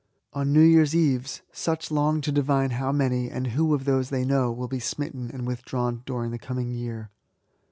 On New Year's Eves, such long to divine how many, and who of those they know, will be smitten and withdrawn during the coming year.